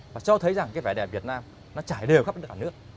và cho thấy rằng cái vẻ đẹp việt nam nó trải đều khắp đất nước